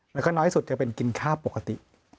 แล้วก็น้อยสุดจะเป็นกินข้าวปกติ